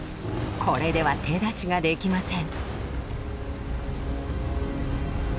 これでは手出しができません。